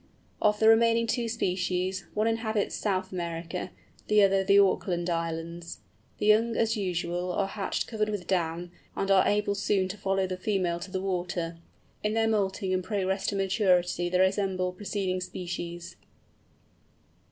Of the remaining two species, one inhabits South America, the other the Auckland Islands. The young, as usual, are hatched covered with down, and able soon to follow the female to the water. In their moulting and progress to maturity they resemble preceding species.